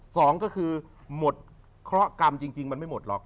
สองก็คือหมดเคราะห์กรรมจริงมันไม่หมดหรอก